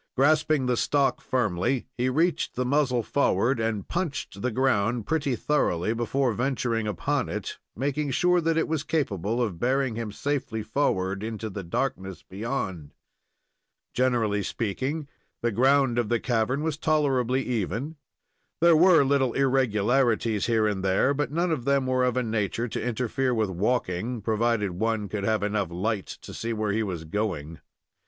Grasping the stock firmly, he reached the muzzle forward, and "punched" the ground pretty thoroughly before venturing upon it, making sure that it was capable of bearing him safely forward into the darkness beyond. Generally speaking, the ground of the cavern was tolerably even. There were little irregularities here and there, but none of them were of a nature to interfere with walking, provided one could have enough light to see where he was going.